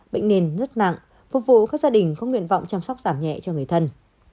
bệnh nền rất nặng phục vụ các gia đình có nguyện vọng chăm sóc giảm nhẹ cho người thân